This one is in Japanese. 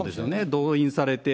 動員されて。